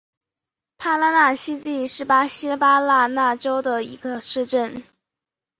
帕拉纳西蒂是巴西巴拉那州的一个市镇。